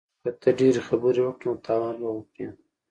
که ته ډیرې خبرې وکړې نو تاوان به وکړې